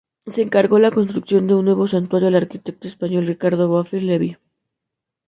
Se encargó la construcción de un nuevo santuario al arquitecto español Ricardo Bofill Levi.